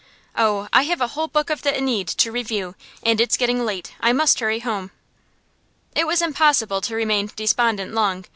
Oh, I have a whole book of the "Æneid" to review, and it's getting late. I must hurry home. It was impossible to remain despondent long.